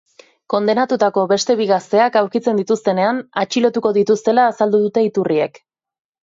Kondenatutako beste bi gazteak aurkitzen dituztenean atxilotuko dituztela azaldu dute iturriek.